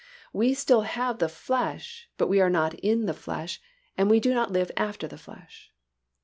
We still have the flesh but we are not in the flesh and we do not live after the flesh.